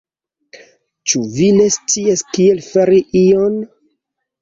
Ĉu vi ne scias kiel fari ion?